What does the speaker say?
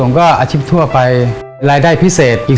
ยังเหลือเวลาทำไส้กรอกล่วงได้เยอะเลยลูก